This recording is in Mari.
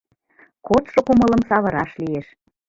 Кодшо кумылым савыраш лиеш